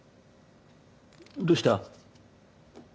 どうした？